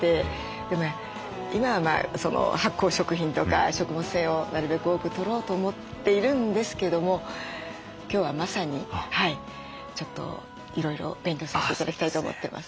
でも今は発酵食品とか食物繊維をなるべく多くとろうと思っているんですけども今日はまさにちょっといろいろ勉強させて頂きたいと思ってます。